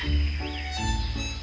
ini membuat tony berpikir